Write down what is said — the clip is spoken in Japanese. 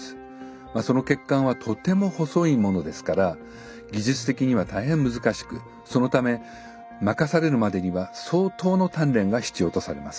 まあその血管はとても細いものですから技術的には大変難しくそのため任されるまでには相当の鍛錬が必要とされます。